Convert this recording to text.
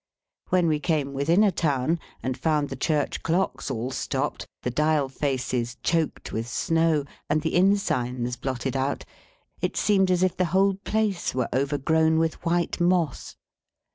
When we came within a town, and found the church clocks all stopped, the dial faces choked with snow, and the inn signs blotted out, it seemed as if the whole place were overgrown with white moss.